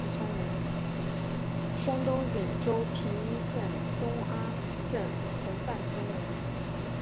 山东兖州平阴县东阿镇洪范村人。